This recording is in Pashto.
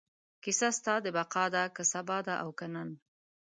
کیسه ستا د بقا ده، که سبا ده او که نن